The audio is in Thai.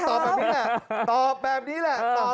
ทางเท้าต่อแบบนี้แหละ